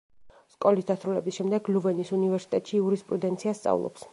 სკოლის დასრულების შემდეგ ლუვენის უნივერსიტეტში იურისპრუდენციას სწავლობს.